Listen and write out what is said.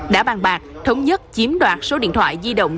đã bàn bạc thống nhất chiếm đoạt số điện thoại di động